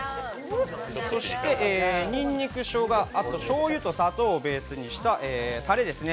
そしてにんにく、しょうが、しょうゆと砂糖をベースにしたタレですね。